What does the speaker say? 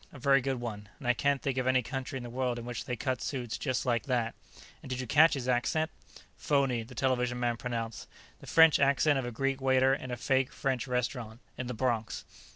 "A very good one. And I can't think of any country in the world in which they cut suits just like that. And did you catch his accent?" "Phony," the television man pronounced. "The French accent of a Greek waiter in a fake French restaurant. In the Bronx."